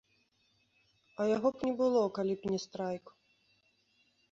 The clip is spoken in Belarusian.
А яго б не было, калі б не страйк.